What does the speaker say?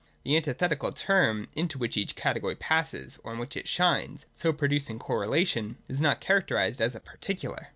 The anti thetical term into wiiicli each category jxisses, or in which it shines, so producing correlation, is not charac terised as a particular.